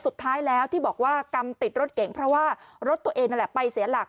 สุดท้ายแล้วที่บอกว่ากรรมติดรถเก๋งเพราะว่ารถตัวเองนั่นแหละไปเสียหลัก